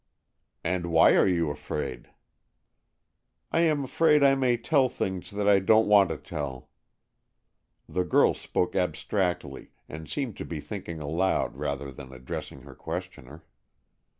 "And why are you afraid?" "I am afraid I may tell things that I don't want to tell." The girl spoke abstractedly and seemed to be thinking aloud rather than addressing her questioner.